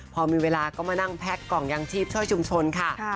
พอมีเวลาก็มานั่งแพ็คกล่องยางชีพช่วยชุมชนค่ะ